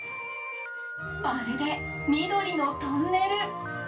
まるで、緑のトンネル。